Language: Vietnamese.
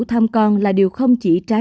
thăm con là điều không chỉ trái